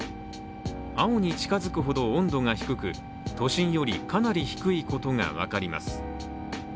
青に近づくほど、温度が低く都心より、かなり低いことが分かります。